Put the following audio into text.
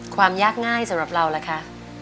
ความยากง่ายสำหรับเราล่ะคะ